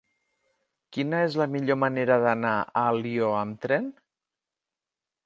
Quina és la millor manera d'anar a Alió amb tren?